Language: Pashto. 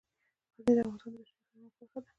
غزني د افغانستان د بشري فرهنګ برخه ده.